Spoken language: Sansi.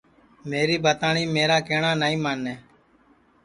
میری بھتاٹؔی میرا کیہٹؔا نائی مانے